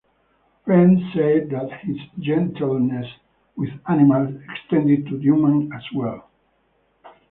Friends said that his gentleness with animals extended to humans as well.